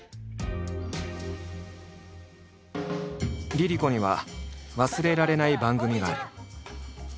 ＬｉＬｉＣｏには忘れられない番組がある。